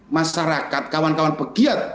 masyarakat kawan kawan pegiat